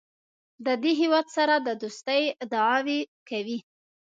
د دې هېواد سره د دوستۍ ادعاوې کوي.